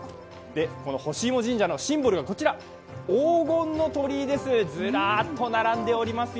このほしいも神社のシンボルがこちら黄金の鳥居です、ずらっと並んでおりますよ。